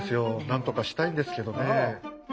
なんとかしたいんですけどねえ。